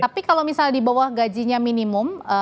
tapi kalau misalnya di bawah gajinya minimum